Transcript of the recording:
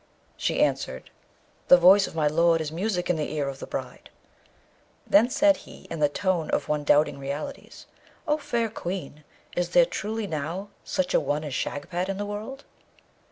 She answered, 'The voice of my lord is music in the ear of the bride.' Then said he, in the tone of one doubting realities, 'O fair Queen, is there truly now such a one as Shagpat in the world?'